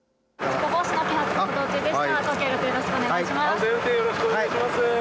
ご協力よろしくお願いします。